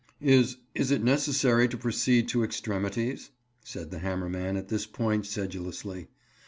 "Is—is it necessary to proceed to extremities?" said the hammer man at this point sedulously.